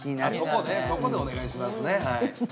そこねそこでお願いしますね。